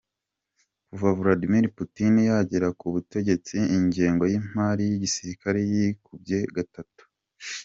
Kuva Vladmir Putin yagera ku butegetsi ingengo y’ imari y’ igisirikare yikubye gatatu.